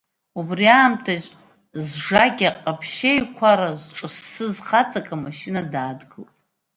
Убри аамҭаз зжакьа ҟаԥшьцәеиқәара зҿассыз хаҵак амашьына даадгылт.